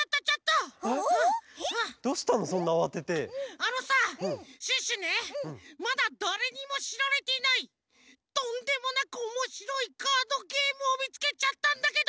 あのさシュッシュねまだだれにもしられていないとんでもなくおもしろいカードゲームをみつけちゃったんだけど！